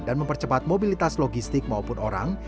dan mempercepat mobilitas logistik maupun orang